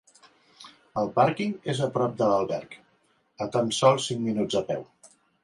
El pàrquing és a prop de l'alberg, a tan sols cinc minuts a peu.